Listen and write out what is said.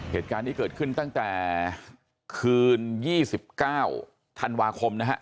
เหตุการณ์นี้เกิดขึ้นตั้งแต่คืน๒๙ธันวาคมนะฮะ